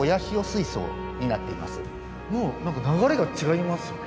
もう何か流れが違いますよね。